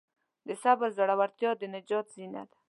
د صبر زړورتیا د نجات زینه ده.